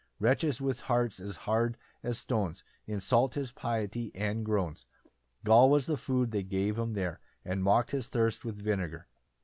7 [Wretches with hearts as hard as stones, Insult his piety and groans; Gall was the food they gave him there, And mock'd his thirst with vinegar.